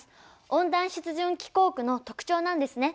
温暖湿潤気候区の特徴なんですね。